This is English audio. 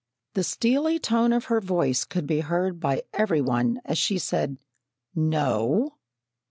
The steely tone of her voice could be heard by every one as she said, "No!"